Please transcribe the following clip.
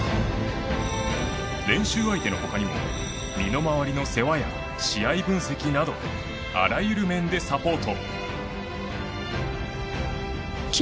練習相手のほかにも身の回りの世話や試合分析などあらゆる面でサポート。